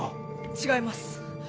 違います。